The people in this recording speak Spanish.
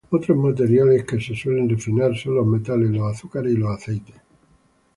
Otros materiales que se suelen refinar son los metales, los azúcares y los aceites.